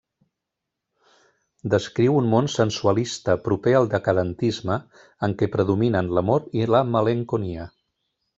Descriu un món sensualista, proper al decadentisme, en què predominen l'amor i la malenconia.